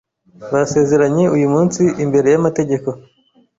basezranye uyu munsi imbere y’amategeko